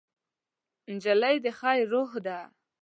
نجلۍ د خیر روح ده.